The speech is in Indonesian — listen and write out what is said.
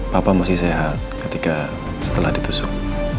bapak masih sehat ketika setelah ditusuk